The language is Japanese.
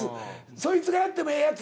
そいつがやってもええやつ。